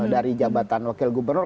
dari jabatan wakil gubernur